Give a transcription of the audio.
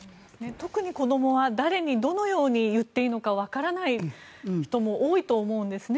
特に子どもは誰にどのように言っていいのかわからない人も多いと思うんです。